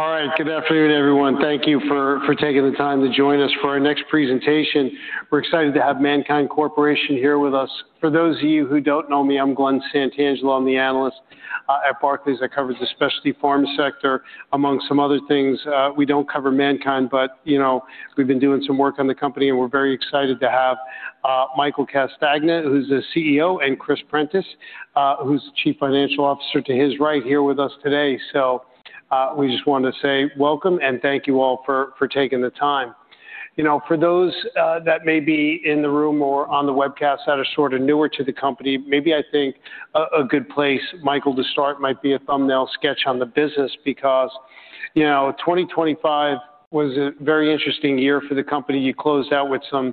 All right. Good afternoon, everyone. Thank you for taking the time to join us for our next presentation. We're excited to have MannKind Corporation here with us. For those of you who don't know me, I'm Glen Santangelo. I'm the analyst at Barclays. I cover the specialty pharma sector, among some other things. We don't cover MannKind, but you know, we've been doing some work on the company, and we're very excited to have Michael Castagna, who's the CEO, and Chris Prentiss, who's Chief Financial Officer, to his right here with us today. We just wanna say welcome and thank you all for taking the time. You know, for those that may be in the room or on the webcast that are sort of newer to the company, maybe I think a good place, Michael, to start might be a thumbnail sketch on the business because 2025 was a very interesting year for the company. You closed out with some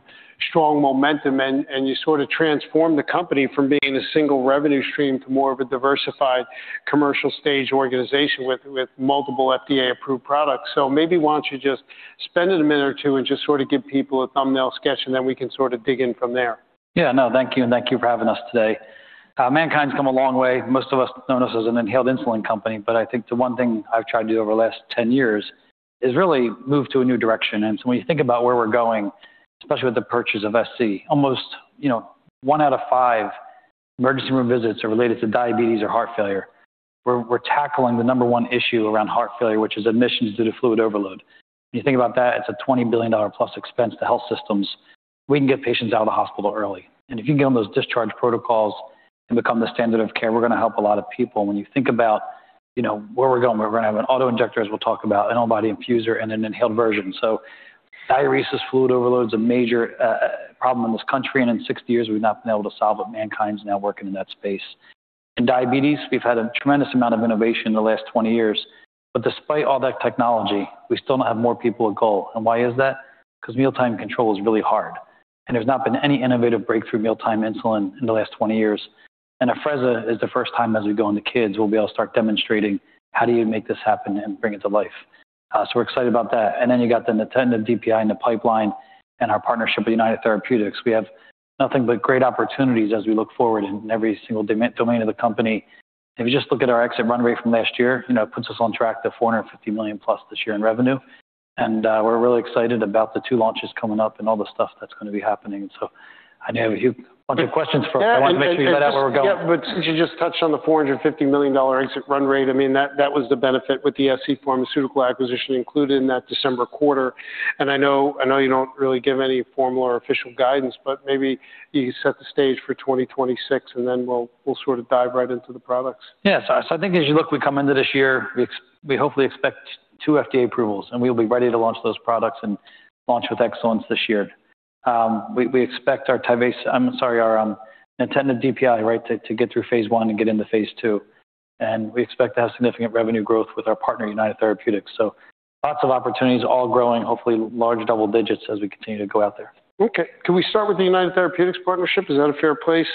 strong momentum and you sort of transformed the company from being a single revenue stream to more of a diversified commercial stage organization with multiple FDA-approved products. Maybe why don't you just spend a minute or two and just sort of give people a thumbnail sketch, and then we can sort of dig in from there. Yeah, no, thank you, and thank you for having us today. MannKind's come a long way. Most of us know us as an inhaled insulin company, but I think the one thing I've tried to do over the last 10 years is really move to a new direction. When you think about where we're going, especially with the purchase of scPharmaceuticals, almost, you know, one out of five emergency room visits are related to diabetes or heart failure. We're tackling the number one issue around heart failure, which is admissions due to fluid overload. When you think about that, it's a $20 billion-plus expense to health systems. We can get patients out of the hospital early. If you can get on those discharge protocols and become the standard of care, we're gonna help a lot of people. When you think about where we're going, we're gonna have an auto-injector, as we'll talk about, an on-body infuser, and an inhaled version. Diuresis fluid overload's a major problem in this country, and in 60 years we've not been able to solve what MannKind's now working in that space. In diabetes, we've had a tremendous amount of innovation in the last 20 years, but despite all that technology, we still don't have more people with goal. Why is that? Beause mealtime control is really hard, and there's not been any innovative breakthrough mealtime insulin in the last 20 years. Afrezza is the first time as we go into kids, we'll be able to start demonstrating how do you make this happen and bring it to life. We're excited about that. Then you got the Nintedanib DPI in the pipeline and our partnership with United Therapeutics. We have nothing but great opportunities as we look forward in every single domain of the company. If you just look at our exit run rate from last year it puts us on track to $450 million-plus this year in revenue. We're really excited about the two launches coming up and all the stuff that's gonna be happening. I know you have a bunch of questions for- Yeah. I wanna make sure you lay out where we're going. Yeah. You just touched on the $450 million exit run rate. I mean, that was the benefit with the scPharmaceuticals acquisition included in that December quarter. I know you don't really give any formal or official guidance, but maybe you set the stage for 2026, and then we'll sort of dive right into the products. Yeah. I think as you look, we come into this year, we hopefully expect 2 FDA approvals, and we'll be ready to launch those products and launch with excellence this year. We expect our Nintedanib DPI, right, to get through phase 1 and get into phase 2. We expect to have significant revenue growth with our partner, United Therapeutics. Lots of opportunities all growing, hopefully large double digits as we continue to go out there. Okay. Can we start with the United Therapeutics partnership? Is that a fair place?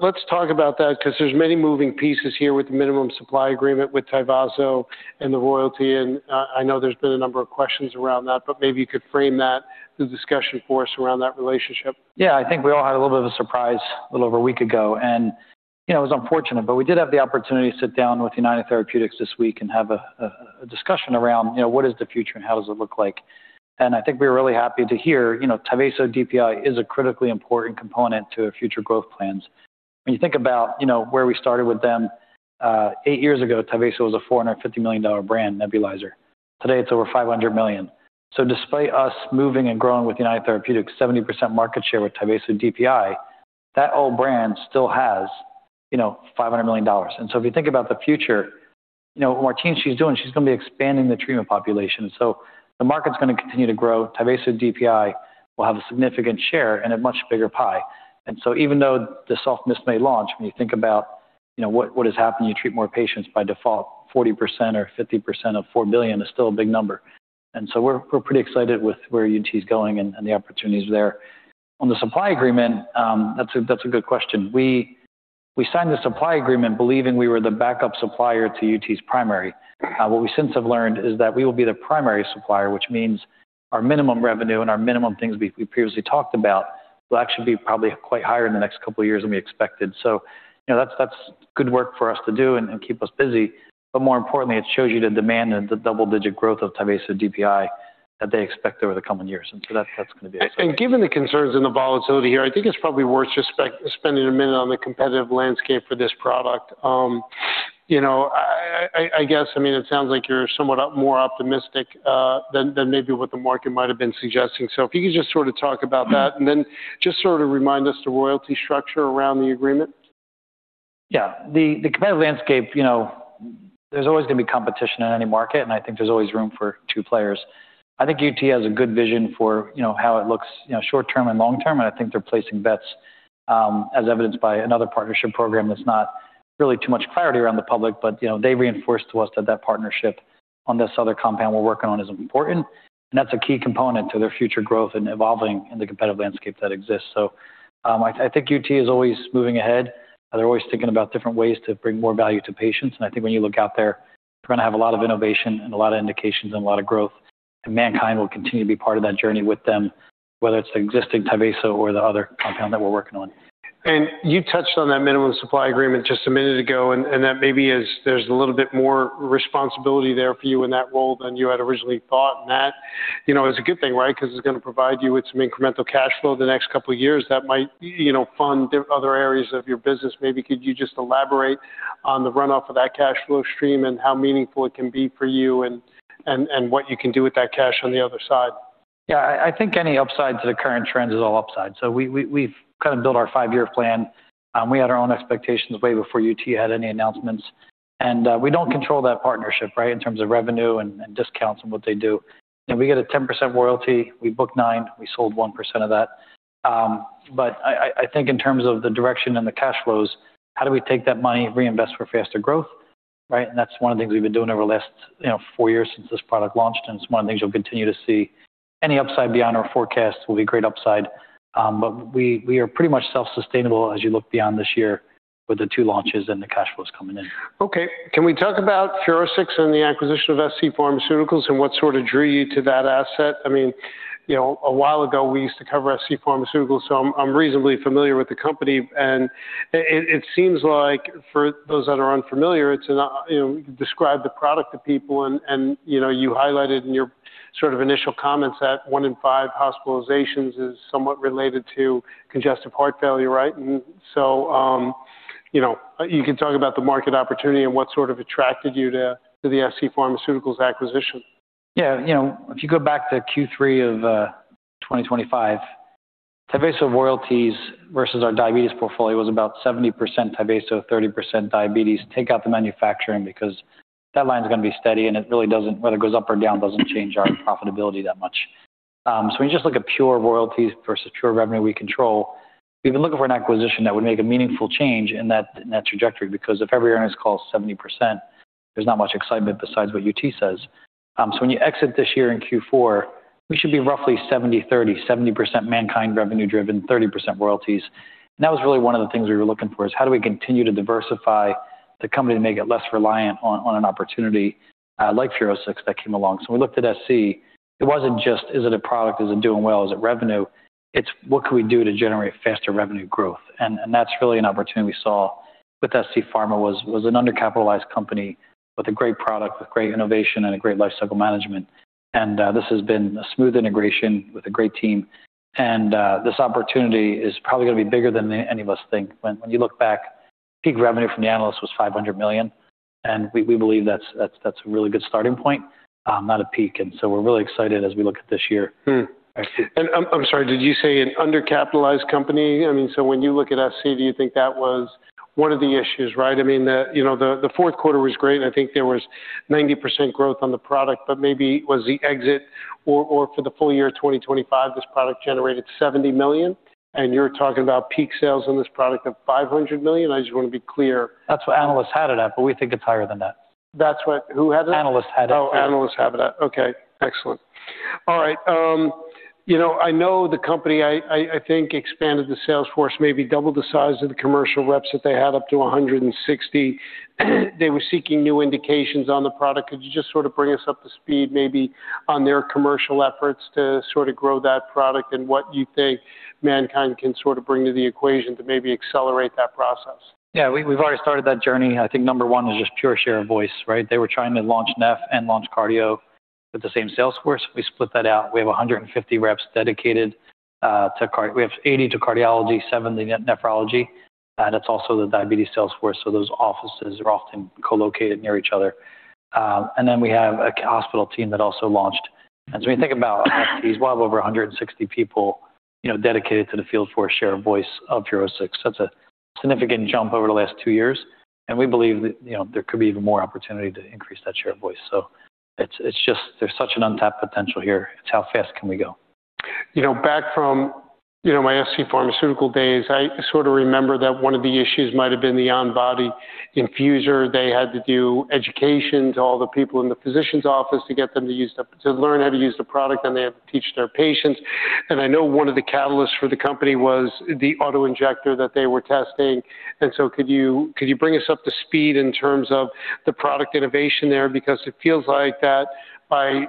Let's talk about that because there's many moving pieces here with the minimum supply agreement with Tyvaso and the royalty. I know there's been a number of questions around that, but maybe you could frame that, the discussion for us around that relationship. Yeah. I think we all had a little bit of a surprise a little over a week ago and it was unfortunate, but we did have the opportunity to sit down with United Therapeutics this week and have a discussion around what is the future and how does it look like. I think we're really happy to hear Tyvaso DPI is a critically important component to our future growth plans. When you think about where we started with them, eight years ago, Tyvaso was a $450 million brand nebulizer. Today, it's over $500 million. Despite us moving and growing with United Therapeutics, 70% market share with Tyvaso DPI, that old brand still has, you know, $500 million. If you think about the future what Martine, she's doing, she's gonna be expanding the treatment population. The market's gonna continue to grow. Tyvaso DPI will have a significant share in a much bigger pie. Even though the Soft Mist may launch, when you think about, you know, what has happened, you treat more patients by default, 40% or 50% of $4 billion is still a big number. We're pretty excited with where UT is going and the opportunities there. On the supply agreement, that's a good question. We signed the supply agreement believing we were the backup supplier to UT's primary. What we since have learned is that we will be the primary supplier, which means our minimum revenue and our minimum things we previously talked about will actually be probably quite higher in the next couple of years than we expected. That's good work for us to do and keep us busy. More importantly, it shows you the demand and the double-digit growth of Tyvaso DPI that they expect over the coming years. That's gonna be exciting. Given the concerns and the volatility here, I think it's probably worth just spending a minute on the competitive landscape for this product. I guess, I mean, it sounds like you're somewhat more optimistic than maybe what the market might have been suggesting. If you could just sort of talk about that and then just sort of remind us the royalty structure around the agreement. Yeah. The competitive landscape, you know, there's always gonna be competition in any market, and I think there's always room for two players. I think UT has a good vision for how it looks short term and long term, and I think they're placing bets, as evidenced by another partnership program that's not really too much clarity around the public. They reinforced to us that that partnership on this other compound we're working on is important, and that's a key component to their future growth and evolving in the competitive landscape that exists. I think UT is always moving ahead. They're always thinking about different ways to bring more value to patients. I think when you look out there, we're gonna have a lot of innovation and a lot of indications and a lot of growth. MannKind will continue to be part of that journey with them, whether it's the existing Tyvaso or the other compound that we're working on. You touched on that minimum supply agreement just a minute ago, and that maybe there's a little bit more responsibility there for you in that role than you had originally thought. That is a good thing, right? Because it's gonna provide you with some incremental cash flow the next couple of years that might fund other areas of your business. Maybe could you just elaborate on the runoff of that cash flow stream and how meaningful it can be for you and what you can do with that cash on the other side? Yeah. I think any upside to the current trend is all upside. We’ve kinda built our five-year plan. We had our own expectations way before UT had any announcements. We don't control that partnership, right, in terms of revenue and discounts and what they do. You know, we get a 10% royalty. We book 9%, we sold 1% of that. I think in terms of the direction and the cash flows, how do we take that money, reinvest for faster growth, right? That's one of the things we've been doing over the last four years since this product launched, and it's one of the things you'll continue to see. Any upside beyond our forecast will be great upside. We are pretty much self-sustainable as you look beyond this year with the two launches and the cash flows coming in. Okay. Can we talk about FUROSCIX and the acquisition of scPharmaceuticals and what sort of drew you to that asset? I mean a while ago, we used to cover scPharmaceuticals, so I'm reasonably familiar with the company. It seems like for those that are unfamiliar, it's you describe the product to people and you highlighted in your sort of initial comments that one in five hospitalizations is somewhat related to congestive heart failure, right? You can talk about the market opportunity and what sort of attracted you to the scPharmaceuticals acquisition. Yeah. You know, if you go back to Q3 of 2025, Tyvaso royalties versus our diabetes portfolio was about 70% Tyvaso, 30% diabetes. Take out the manufacturing because that line's gonna be steady, and it really doesn't whether it goes up or down, doesn't change our profitability that much. So when you just look at pure royalties versus pure revenue we control, we've been looking for an acquisition that would make a meaningful change in that trajectory. Because if every earnings call is 70%, there's not much excitement besides what UT says. So when you exit this year in Q4, we should be roughly 70/30, 70% MannKind revenue-driven, 30% royalties. That was really one of the things we were looking for, is how do we continue to diversify the company to make it less reliant on an opportunity like FUROSCIX that came along. We looked at scPharmaceuticals. It wasn't just, is it a product? Is it doing well? Is it revenue? It's what could we do to generate faster revenue growth? And that's really an opportunity we saw with scPharmaceuticals, was an undercapitalized company with a great product, with great innovation and a great lifecycle management. This has been a smooth integration with a great team. This opportunity is probably gonna be bigger than any of us think. When you look back, peak revenue from the analyst was $500 million, and we believe that's a really good starting point, not a peak. We're really excited as we look at this year. Hmm. Thank you. I'm sorry, did you say an undercapitalized company? I mean, so when you look at SC, do you think that was one of the issues, right? I mean, you know, the fourth quarter was great, and I think there was 90% growth on the product. Maybe was the exit or for the full year 2025, this product generated $70 million, and you're talking about peak sales on this product of $500 million. I just wanna be clear. That's what analysts had it at, but we think it's higher than that. Who had it? Analysts had it. Oh, analysts have it at. Okay. Excellent. All right. You know, I know the company, I think expanded the sales force, maybe doubled the size of the commercial reps that they had up to 160. They were seeking new indications on the product. Could you just sort of bring us up to speed, maybe on their commercial efforts to sort of grow that product and what you think MannKind can sort of bring to the equation to maybe accelerate that process? Yeah. We've already started that journey. I think number one is just pure share of voice, right? They were trying to launch neph and launch cardio with the same sales force. We split that out. We have 150 reps dedicated to cardio. We have 80 to cardiology, 7 to nephrology, and it's also the diabetes sales force, so those offices are often co-located near each other. We have a hospital team that also launched. When you think about SC, we have over 160 people dedicated to the field for share of voice of FUROSCIX. That's a significant jump over the last two years. We believe that there could be even more opportunity to increase that share of voice. So it's just, there's such an untapped potential here. It's how fast can we go? Back from my scPharmaceuticals days, I sort of remember that one of the issues might have been the on-body infuser. They had to do education to all the people in the physician's office to get them to learn how to use the product, then they have to teach their patients. I know one of the catalysts for the company was the auto-injector that they were testing. Could you bring us up to speed in terms of the product innovation there? Because it feels like that by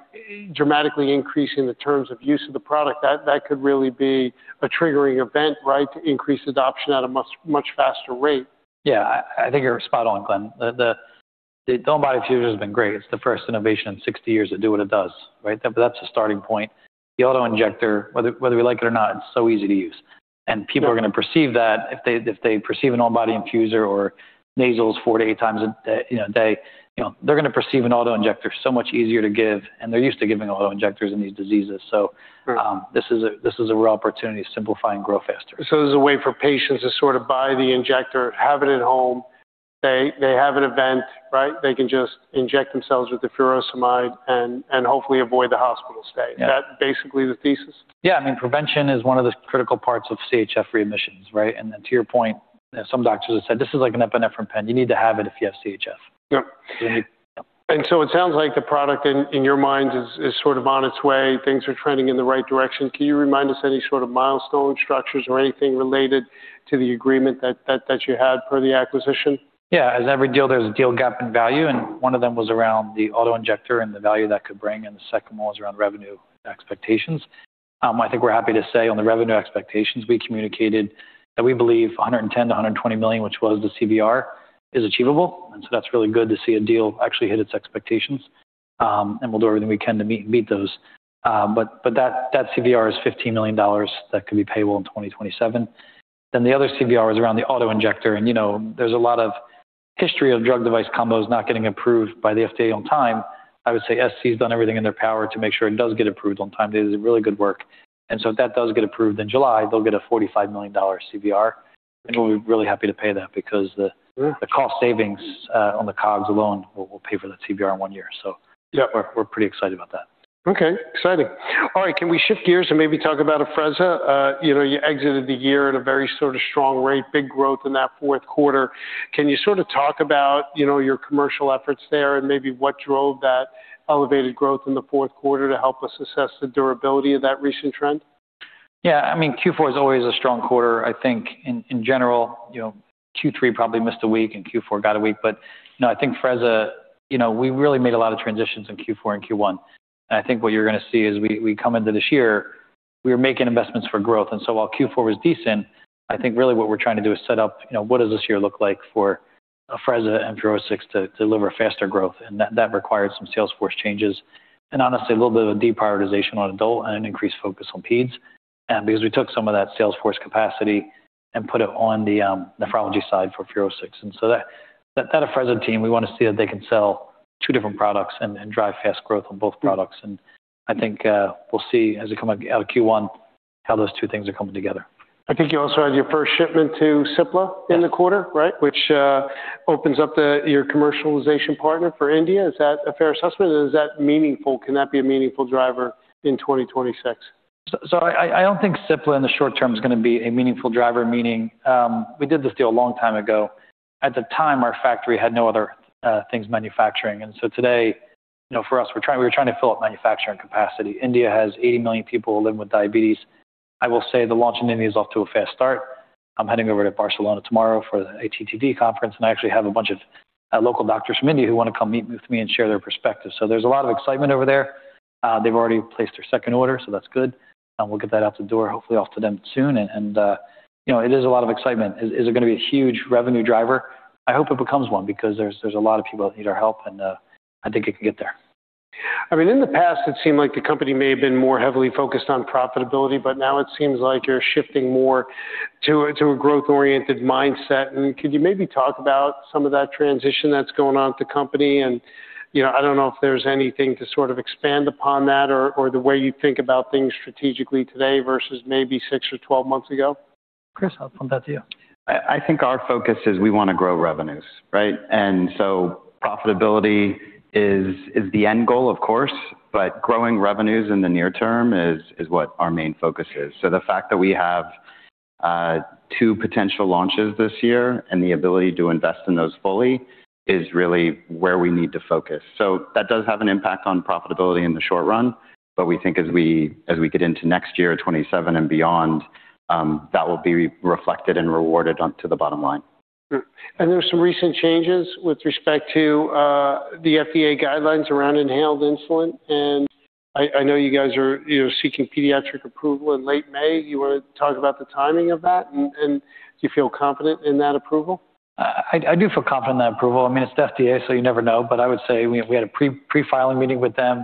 dramatically increasing the ease of use of the product, that could really be a triggering event, right, to increase adoption at a much, much faster rate. Yeah. I think you're spot on, Glenn. The on-body infuser has been great. It's the first innovation in 60 years to do what it does, right? That's a starting point. The auto-injector, whether we like it or not, it's so easy to use. People are gonna perceive that if they perceive an on-body infusor or nasals 4-8 times a day they're gonna perceive an auto-injector so much easier to give, and they're used to giving auto-injectors in these diseases. Right. This is a real opportunity to simplify and grow faster. This is a way for patients to sort of buy the injector, have it at home. They have an event, right? They can just inject themselves with the furosemide and hopefully avoid the hospital stay. Yeah. Is that basically the thesis? Yeah. I mean, prevention is one of the critical parts of CHF readmissions, right? To your point, some doctors have said, this is like an epinephrine pen. You need to have it if you have CHF. Yeah. Mm-hmm. It sounds like the product in your mind is sort of on its way. Things are trending in the right direction. Can you remind us any sort of milestone structures or anything related to the agreement that you had per the acquisition? Yeah. As every deal, there's a deal gap in value, and one of them was around the auto-injector and the value that could bring, and the second one was around revenue expectations. I think we're happy to say on the revenue expectations we communicated that we believe $110 million-$120 million, which was the CVR, is achievable. That's really good to see a deal actually hit its expectations. We'll do everything we can to meet those. But that CVR is $15 million that could be payable in 2027. The other CVR is around the auto-injector and, you know, there's a lot of history of drug device combos not getting approved by the FDA on time. I would say scPharmaceuticals has done everything in their power to make sure it does get approved on time. They did really good work. If that does get approved in July, they'll get a $45 million CVR, and we'll be really happy to pay that because the cost savings on the COGS alone will pay for the CVR in one year. Yeah. We're pretty excited about that. Okay. Exciting. All right. Can we shift gears and maybe talk about Afrezza? You know, you exited the year at a very sort of strong rate, big growth in that fourth quarter. Can you sort of talk about your commercial efforts there and maybe what drove that elevated growth in the fourth quarter to help us assess the durability of that recent trend? Yeah. I mean, Q4 is always a strong quarter. I think in general, you know, Q3 probably missed a week and Q4 got a week. I think Afrezza we really made a lot of transitions in Q4 and Q1. I think what you're gonna see as we come into this year, we are making investments for growth. While Q4 was decent, I think really what we're trying to do is set up, you know, what does this year look like for Afrezza and FUROSCIX to deliver faster growth? That required some sales force changes and honestly a little bit of a deprioritization on adult and an increased focus on peds. Because we took some of that sales force capacity and put it on the nephrology side for FUROSCIX. That Afrezza team, we wanna see that they can sell two different products and drive fast growth on both products. I think we'll see as we come out of Q1 how those two things are coming together. I think you also had your first shipment to Cipla in the quarter. Yes. Right? Which opens up your commercialization partner for India. Is that a fair assessment? Is that meaningful? Can that be a meaningful driver in 2026? I don't think Cipla in the short term is gonna be a meaningful driver. Meaning, we did this deal a long time ago. At the time, our factory had no other things manufacturing. Today, you know, for us, we were trying to fill up manufacturing capacity. India has 80 million people who live with diabetes. I will say the launch in India is off to a fast start. I'm heading over to Barcelona tomorrow for the ATTD conference, and I actually have a bunch of local doctors from India who wanna come meet with me and share their perspective. There's a lot of excitement over there. They've already placed their second order, so that's good. We'll get that out the door, hopefully, off to them soon, you know, it is a lot of excitement. Is it gonna be a huge revenue driver? I hope it becomes one because there's a lot of people that need our help, and I think it could get there. I mean, in the past, it seemed like the company may have been more heavily focused on profitability, but now it seems like you're shifting more to a growth-oriented mindset. Could you maybe talk about some of that transition that's going on at the company? You know, I don't know if there's anything to sort of expand upon that or the way you think about things strategically today versus maybe six or 12 months ago. Chris, I'll bump that to you. I think our focus is we wanna grow revenues, right? Profitability is the end goal, of course, but growing revenues in the near term is what our main focus is. The fact that we have two potential launches this year and the ability to invest in those fully is really where we need to focus. That does have an impact on profitability in the short run, but we think as we get into next year, 2027 and beyond, that will be reflected and rewarded on to the bottom line. There's some recent changes with respect to the FDA guidelines around inhaled insulin, and I know you guys are, you know, seeking pediatric approval in late May. You wanna talk about the timing of that? And do you feel confident in that approval? I do feel confident in that approval. I mean, it's the FDA, so you never know. I would say we had a pre-filing meeting with them.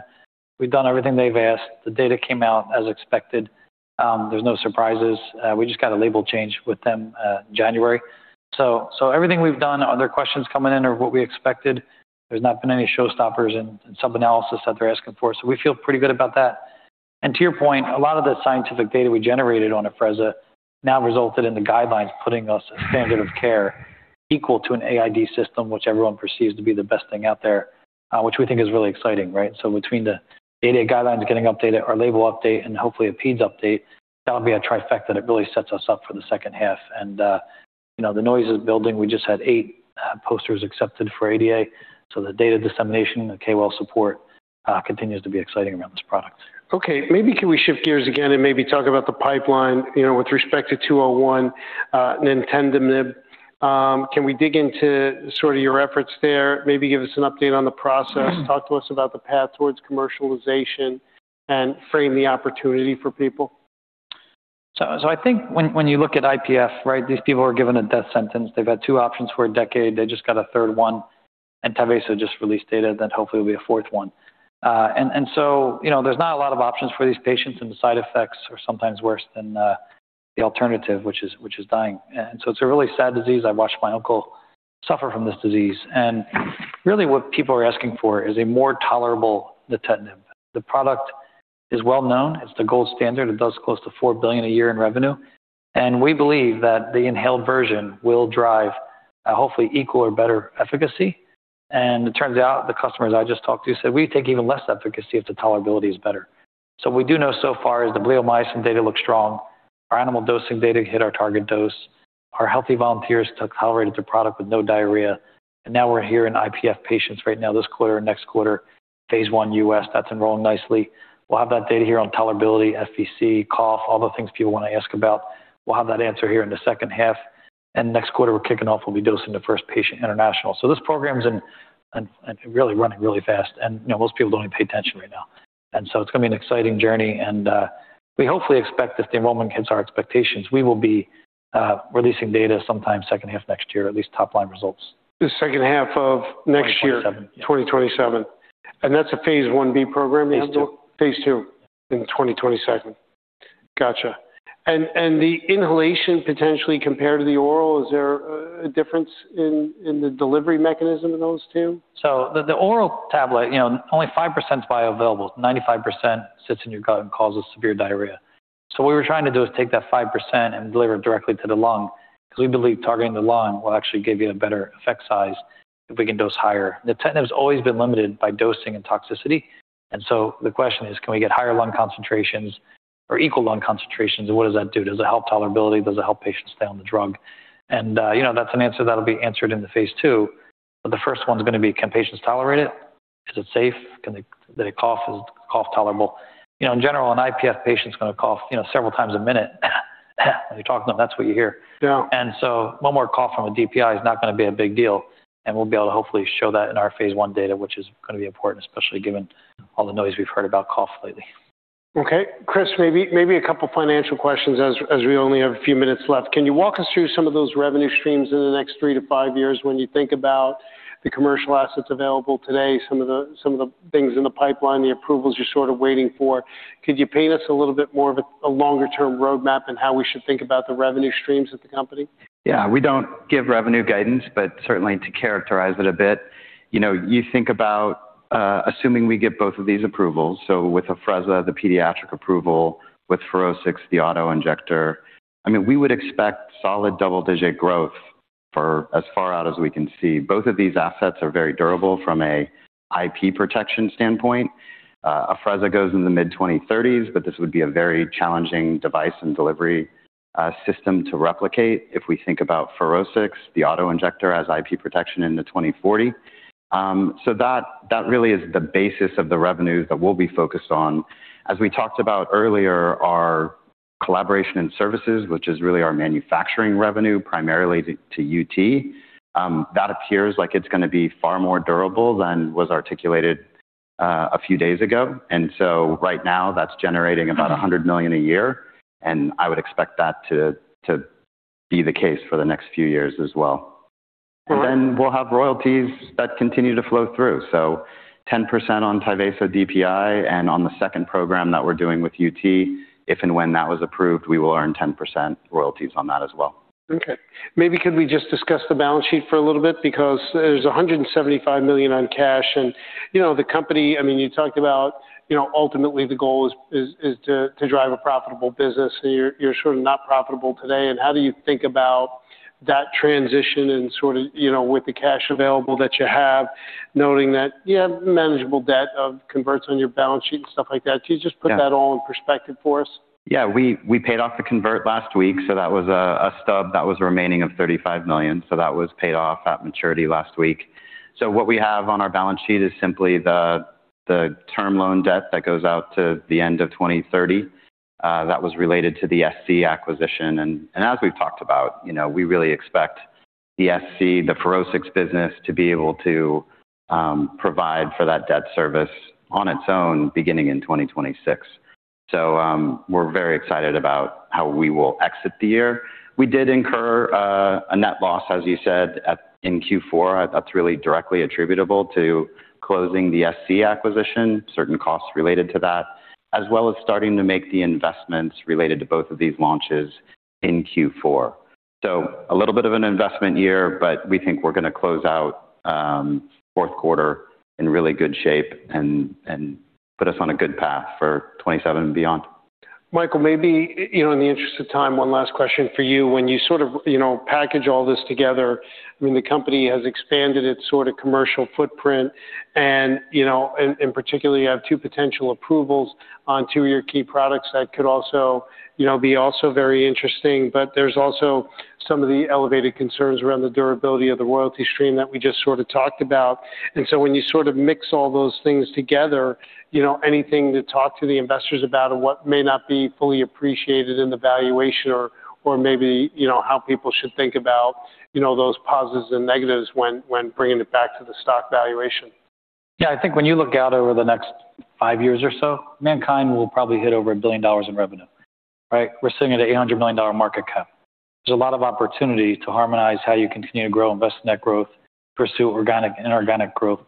We've done everything they've asked. The data came out as expected. There's no surprises. We just got a label change with them, January. Everything we've done, other questions coming in are what we expected. There's not been any showstoppers in sub-analysis that they're asking for. We feel pretty good about that. To your point, a lot of the scientific data we generated on Afrezza now resulted in the guidelines putting us a standard of care equal to an AID system, which everyone perceives to be the best thing out there, which we think is really exciting, right? Between the ADA guidelines getting updated, our label update, and hopefully a peds update, that'll be a trifecta that really sets us up for the second half. You know, the noise is building. We just had eight posters accepted for ADA. The data dissemination, the KOL support, continues to be exciting around this product. Okay. Maybe can we shift gears again and maybe talk about the pipeline, you know, with respect to 201, Nintedanib. Can we dig into sort of your efforts there? Maybe give us an update on the process. Talk to us about the path towards commercialization and frame the opportunity for people. I think when you look at IPF, right? These people are given a death sentence. They've had two options for a decade. They just got a third one. Teva has just released data that hopefully will be a fourth one. You know, there's not a lot of options for these patients, and the side effects are sometimes worse than the alternative, which is dying. It's a really sad disease. I watched my uncle suffer from this disease. Really what people are asking for is a more tolerable nintedanib. The product is well-known. It's the gold standard. It does close to $4 billion a year in revenue. We believe that the inhaled version will drive hopefully equal or better efficacy. It turns out the customers I just talked to said we take even less efficacy if the tolerability is better. What we do know so far is the bleomycin data looks strong. Our animal dosing data hit our target dose. Our healthy volunteers tolerated the product with no diarrhea. Now we're here in IPF patients right now this quarter and next quarter. Phase 1 U.S., that's enrolled nicely. We'll have that data here on tolerability, FVC, cough, all the things people wanna ask about. We'll have that answer here in the second half. Next quarter, we're kicking off, we'll be dosing the first patient international. This program's really running really fast. You know, most people don't even pay attention right now. It's gonna be an exciting journey, and we hopefully expect if the enrollment hits our expectations, we will be releasing data sometime second half of next year, at least top line results. The second half of next year. 2027, yes. 2027. That's a phase 1B program? phase two. Phase 2 in the 2022. Gotcha. The inhalation potentially compared to the oral, is there a difference in the delivery mechanism of those two? The oral tablet, you know, only 5% is bioavailable. 95% sits in your gut and causes severe diarrhea. What we're trying to do is take that 5% and deliver it directly to the lung because we believe targeting the lung will actually give you a better effect size if we can dose higher. The tech has always been limited by dosing and toxicity, and so the question is, can we get higher lung concentrations or equal lung concentrations, and what does that do? Does it help tolerability? Does it help patients stay on the drug? You know, that's an answer that'll be answered in the phase 2. The first one's gonna be, can patients tolerate it? Is it safe? Do they cough? Is cough tolerable? You know, in general, an IPF patient is gonna cough, you know, several times a minute. When you talk to them, that's what you hear. Yeah. One more cough from a DPI is not gonna be a big deal, and we'll be able to hopefully show that in our phase one data, which is gonna be important, especially given all the noise we've heard about cough lately. Okay. Chris, maybe a couple financial questions as we only have a few minutes left. Can you walk us through some of those revenue streams in the next 3-5 years when you think about the commercial assets available today, some of the things in the pipeline, the approvals you're sort of waiting for? Could you paint us a little bit more of a longer term roadmap and how we should think about the revenue streams of the company? Yeah. We don't give revenue guidance, but certainly to characterize it a bit. You know, you think about, assuming we get both of these approvals, so with Afrezza, the pediatric approval, with FUROSCIX, the auto-injector. I mean, we would expect solid double digit growth for as far out as we can see. Both of these assets are very durable from an IP protection standpoint. Afrezza goes in the mid-2030s, but this would be a very challenging device and delivery system to replicate if we think about FUROSCIX, the auto-injector as IP protection in the 2040. So that really is the basis of the revenue that we'll be focused on. As we talked about earlier, our collaboration and services, which is really our manufacturing revenue primarily to UT. That appears like it's gonna be far more durable than was articulated a few days ago. Right now that's generating about $100 million a year, and I would expect that to be the case for the next few years as well. We'll have royalties that continue to flow through. 10% on Tyvaso DPI and on the second program that we're doing with UT. If and when that was approved, we will earn 10% royalties on that as well. Okay. Maybe could we just discuss the balance sheet for a little bit because there's $175 million on cash and, you know, the company. I mean, you talked about, you know, ultimately the goal is to drive a profitable business. You're sort of not profitable today and how do you think about that transition and sort of, you know, with the cash available that you have, noting that you have manageable debt of converts on your balance sheet and stuff like that. Could you just put that all in perspective for us? Yeah. We paid off the convert last week, so that was a stub that was remaining of $35 million. That was paid off at maturity last week. What we have on our balance sheet is simply the term loan debt that goes out to the end of 2030, that was related to the SC acquisition. As we've talked about, you know, we really expect the SC, the FUROSCIX business to be able to provide for that debt service on its own beginning in 2026. We're very excited about how we will exit the year. We did incur a net loss, as you said, in Q4. That's really directly attributable to closing the SC acquisition, certain costs related to that, as well as starting to make the investments related to both of these launches in Q4. A little bit of an investment year, but we think we're gonna close out fourth quarter in really good shape and put us on a good path for 2027 and beyond. Michael, maybe in, you know, in the interest of time, one last question for you. When you sort of, you know, package all this together, I mean, the company has expanded its sort of commercial footprint and, you know, and particularly you have two potential approvals on two of your key products that could also, you know, be also very interesting. There's also some of the elevated concerns around the durability of the royalty stream that we just sort of talked about. When you sort of mix all those things together, you know, anything to talk to the investors about or what may not be fully appreciated in the valuation or maybe, you know, how people should think about, you know, those positives and negatives when bringing it back to the stock valuation. Yeah. I think when you look out over the next five years or so, MannKind will probably hit over $1 billion in revenue, right? We're sitting at a $800 million market cap. There's a lot of opportunity to harmonize how you continue to grow, invest in that growth, pursue organic and inorganic growth.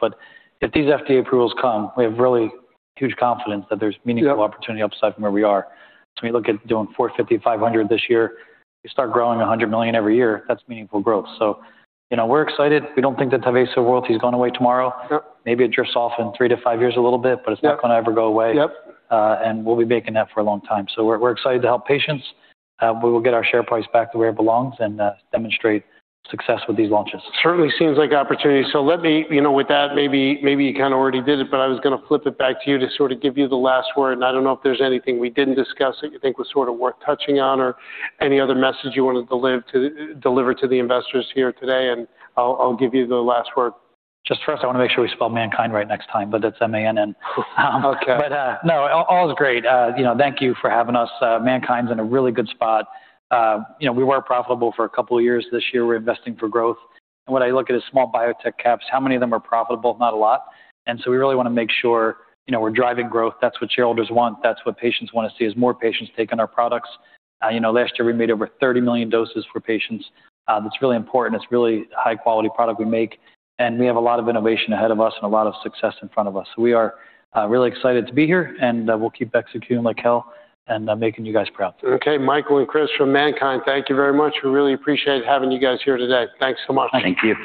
If these FDA approvals come, we have really huge confidence that there's meaningful opportunity upside from where we are. When you look at doing $450-$500 this year, you start growing $100 million every year, that's meaningful growth. You know, we're excited. We don't think that Tyvaso royalty is going away tomorrow. Yep. Maybe it drifts off in 3-5 years a little bit. Yep. It's not gonna ever go away. Yep. We'll be making that for a long time. We're excited to help patients. We will get our share price back to where it belongs and demonstrate success with these launches. Certainly seems like opportunity. Let me you know, with that, maybe you kinda already did it, but I was gonna flip it back to you to sort of give you the last word. I don't know if there's anything we didn't discuss that you think was sort of worth touching on or any other message you wanted to deliver to the investors here today, and I'll give you the last word. Just first, I wanna make sure we spell MannKind right next time, but it's M-A-N-N. Okay. No, all is great. You know, thank you for having us. MannKind's in a really good spot. You know, we were profitable for a couple of years. This year, we're investing for growth. When I look at small biotech caps, how many of them are profitable? Not a lot. We really wanna make sure, you know, we're driving growth. That's what shareholders want. That's what patients wanna see, is more patients taking our products. You know, last year we made over 30 million doses for patients. That's really important. It's really high quality product we make, and we have a lot of innovation ahead of us and a lot of success in front of us. We are really excited to be here, and we'll keep executing like hell and making you guys proud. Okay. Michael and Chris from MannKind, thank you very much. We really appreciate having you guys here today. Thanks so much. Thank you.